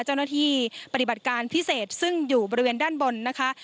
เจ้าหน้าที่ปฏิบัติการพิเศษซึ่งอยู่บริเวณด้านบนนะคะ